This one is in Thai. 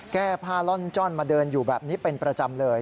แก้ผ้าล่อนจ้อนมาเดินอยู่แบบนี้เป็นประจำเลย